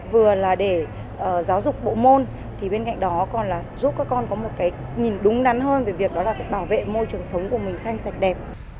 vừa là để giáo dục bộ môn thì bên cạnh đó còn là giúp các con có một cái nhìn đúng đắn hơn về việc đó là phải bảo vệ môi trường sống của mình xanh sạch đẹp